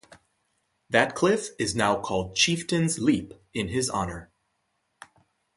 That cliff is now called "Chieftain's Leap" in his honor.